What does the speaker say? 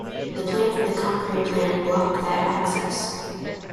The plan for the concrete plant blocked that access.